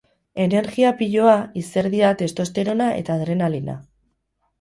Energia piloa, izerdia, testosterona eta adrenalina.